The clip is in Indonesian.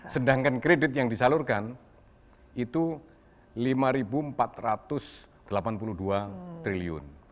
sedangkan kredit yang disalurkan itu rp lima empat ratus delapan puluh dua triliun